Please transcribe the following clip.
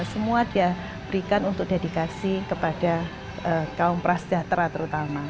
semua dia berikan untuk dedikasi kepada kaum prasejahtera terutama